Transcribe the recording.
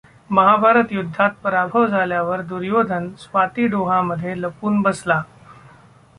महाभारत युद्धात पराभव झाल्यावर दुर्योधन स्वाती डोहामध्ये लपून बसला.